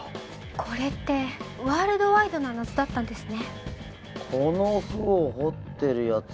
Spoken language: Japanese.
これってワールドワイドな謎だったんですね